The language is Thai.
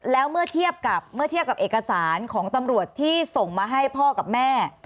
แล้วเมื่อเทียบกับเอกสารของตำรวจที่ส่งมาให้พ่อกับแม่